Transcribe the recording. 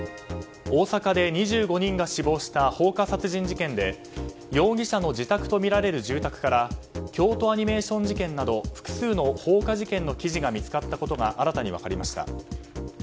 大阪で２５人が死亡した放火殺人事件で容疑者の自宅とみられる住宅から京都アニメーション事件など複数の放火事件の記事が見つかったことが新たに分かりました。